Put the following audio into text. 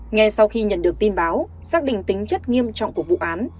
ngay sau khi nhận được tin báo xác định tính chất nghiêm trọng của vụ án